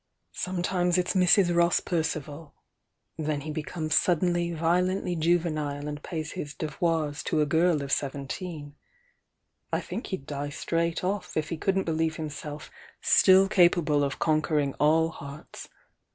Sometimes it's Mrs. Roas Percival —then he becomes suddenly violently juvenile and pays his devoirs to a girl of seventeen; I think he'd die straight off if he couldn't believe himself still capable of conquering all hearts!